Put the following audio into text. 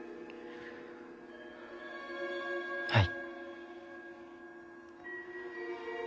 はい。